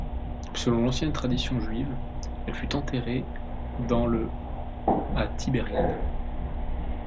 Selon l'ancienne tradition juive, elle fut enterrée dans le à Tibériade.